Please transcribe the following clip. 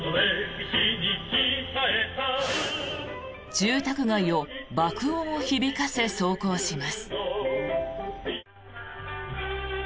住宅街を爆音を響かせ走行します。